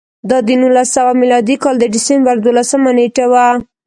دا د نولس سوه میلادي کال د ډسمبر دولسمه نېټه وه